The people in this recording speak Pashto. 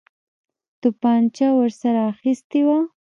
توپنچه ورسره اخیستې وه.